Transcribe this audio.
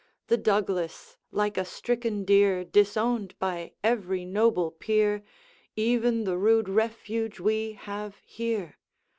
The Douglas, like a stricken deer, Disowned by every noble peer, Even the rude refuge we have here?